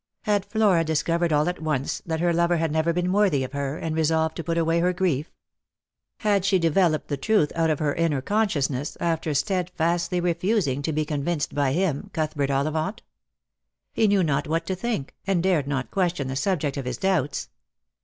Had Flora discovered all at once that her lover had never been worthy of her, and resolved to put away her grief? Had she developed the truth out of her inner consciousness, after steadfastly refusing to be convinced by him, Cuthbert Ollivant ? He knew not what to think, and dared not question the subject of his doubts.